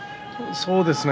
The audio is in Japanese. そうですね。